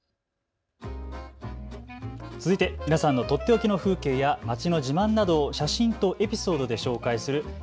つづいて皆さんのとっておきの風景や街の自慢などを写真とエピソードで紹介する＃